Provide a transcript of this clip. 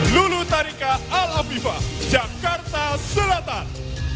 luluh tarika al abifah jakarta selatan